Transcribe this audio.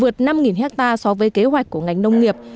vượt năm hectare so với kế hoạch của ngành nông nghiệp